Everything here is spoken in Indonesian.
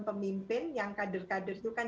pemimpin yang kader kader itu kan